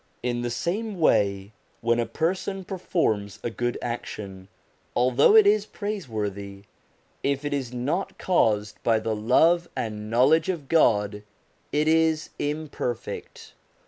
In the same way, when a person performs a good action, although it is praiseworthy, if it is not caused by the love and knowledge of God, it is imperfect.